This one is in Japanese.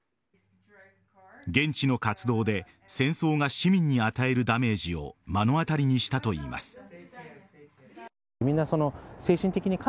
現地の活動で戦争が市民に与えるダメージを目の当たりにしたといいます。